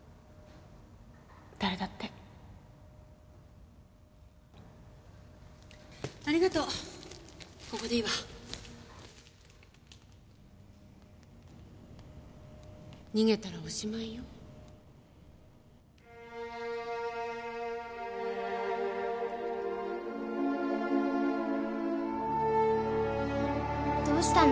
誰だってありがとうここでいいわ逃げたらおしまいよどうしたの？